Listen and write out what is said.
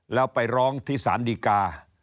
แล้วไปร้องที่สารดีกา